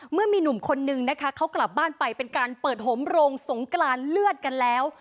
เมื่อมีหนุ่มคนนึงนะคะเขากลับบ้านไปเป็นการเปิดหมโรงสงกรานเลือดกันแล้ว